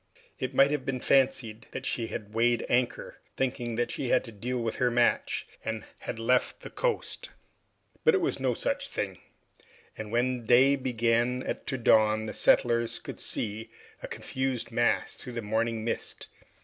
It might have been fancied that she had weighed anchor, thinking that she had to deal with her match, and had left the coast. But it was no such thing, and when day began to dawn the settlers could see a confused mass through the morning mist.